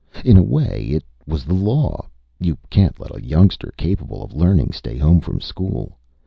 In a way, it was the law. You can't let a youngster, capable of learning, stay home from school.